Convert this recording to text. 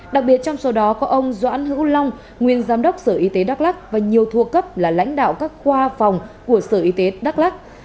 đặc biệt trong số đó có ông doãn hữu long nguyên giám đốc sở y tế đắk lắc và nhiều thua cấp là lãnh đạo các khoa phòng của sở y tế đắk lắc